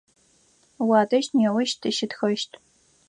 Уадэжь неущ тыщытхэщт.